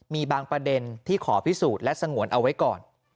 มีบางประเด็นที่ขอพิสูจน์และสงวนเอาไว้ก่อน